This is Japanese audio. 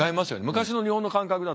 昔の日本の感覚だと。